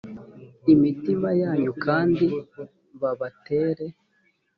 imitima yanyu kandi babatere